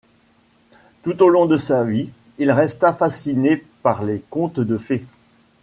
Tout au long de sa vie, il resta fasciné par les contes de fées.